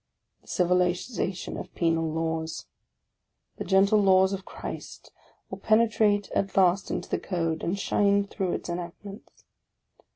The civilization of penal laws. The gentle laws of CHRIST will penetrate at last into the Code, and shine through its enact ments.